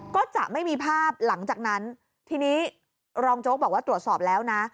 ก็จะไม่มีภาพหลังจากนั้นทีนี้รองโจ๊กบอกว่าตรวจสอบแล้วนะ